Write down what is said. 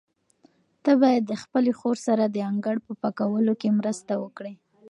ته باید د خپلې خور سره د انګړ په پاکولو کې مرسته وکړې.